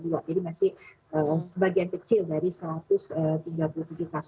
jadi masih sebagian kecil dari satu ratus tiga puluh tiga kasus yang kita penyelidikan